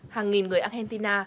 hàng nghìn người argentina